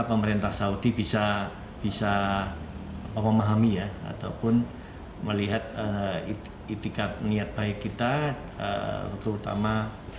pemerintah saudi bisa bisa memahami ya ataupun melihat itikat niat baik kita terutama